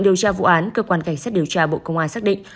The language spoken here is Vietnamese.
điều tra vụ án cơ quan cảnh sát điều tra bộ công an xác định